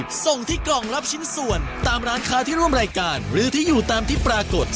บอกเลยวันนี้จุใจมาก